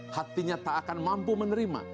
hatinya tak akan mampu menerima